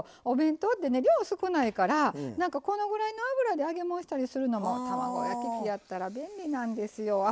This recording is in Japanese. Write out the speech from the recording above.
お弁当ってね量少ないからこのぐらいの油で揚げもんしたりするのも卵焼き器やったら便利なんですよ。